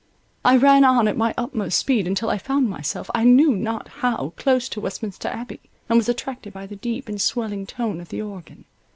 I ran on at my utmost speed until I found myself I knew not how, close to Westminster Abbey, and was attracted by the deep and swelling tone of the organ.